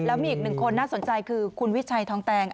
แล้วมีอีกหนึ่งคนน่าสนใจคือคุณวิชัยทองแตง